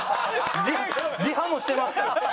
リハもしてますから。